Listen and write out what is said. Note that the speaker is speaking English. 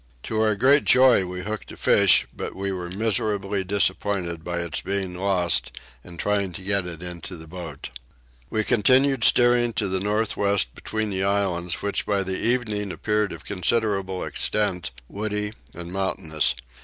To our great joy we hooked a fish, but we were miserably disappointed by its being lost in trying to get it into the boat. We continued steering to the north west between the islands which by the evening appeared of considerable extent, woody and mountainous.